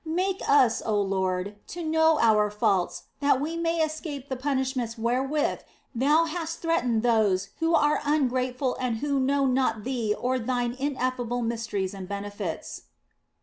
Make us, oh Lord, to know our faults that we may escape the punishments wherewith Thou hast threatened those who are ungrateful and who know not Thee nor Thine ineffable mysteries and benefits."